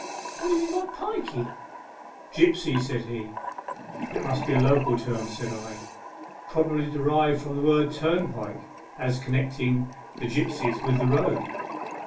" What do you mean by pikey ?"" Gipsy," said he. " That must be a local term," said I, " pro bably derived from the word ' turjapike,' as con necting the gipsies with the road."